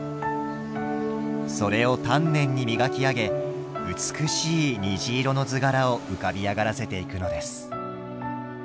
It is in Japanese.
それを丹念に磨き上げ美しい虹色の図柄を浮かび上がらせていくのです。